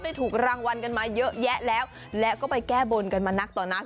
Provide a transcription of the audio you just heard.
ถูกรางวัลกันมาเยอะแยะแล้วแล้วก็ไปแก้บนกันมานักต่อนัก